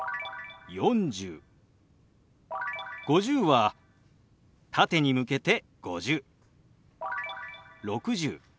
「５０」は縦に向けて「５０」。